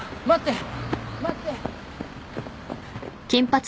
待って！